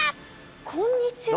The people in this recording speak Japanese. こんにちは。